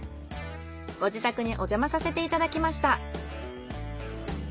ご自宅におじゃまさせていただきました。